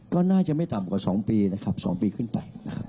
ก็น่าจะไม่ต่ำกว่า๒ปีนะครับ๒ปีขึ้นไปนะครับ